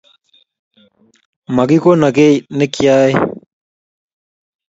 makikono keii nekieeeei